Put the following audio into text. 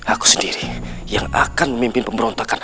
aku sendiri yang akan memimpin pemberontakan